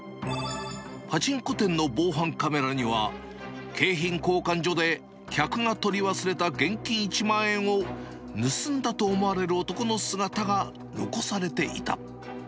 パチンコ店の防犯カメラには景品交換所で客が取り忘れた現金１万円を盗んだと思われる男の姿が残されていた。